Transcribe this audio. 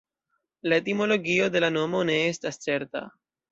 La etimologio de la nomo ne estas certa.